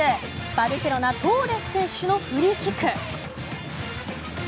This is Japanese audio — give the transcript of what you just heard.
バルセロナ、トーレス選手のフリーキック。